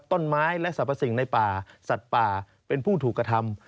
ต้นไม้และสรรพสิ่งในป่าสัตว์ป่าเป็นผู้ถูกกระทำ